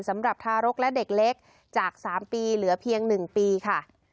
สำหรับทารกและเด็กเล็กจาก๓ปีเหลือเพียง๑ปีค่ะ